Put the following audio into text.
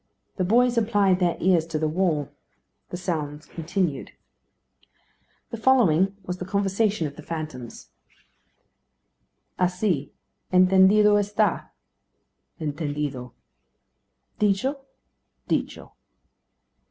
The boys applied their ears to the wall. The sounds continued. The following was the conversation of the phantoms: "Asi, entendido esta?" "Entendido." "Dicho?" "Dicho."